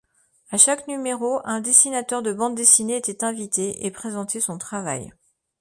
À chaque numéro, un dessinateur de bande dessinée était invité, et présentait son travail.